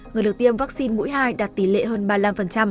người được tiêm vaccine mũi hai đạt tỷ lệ hơn ba mươi năm